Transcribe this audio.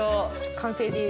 完成です。